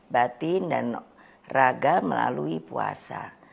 batin dan raga melalui puasa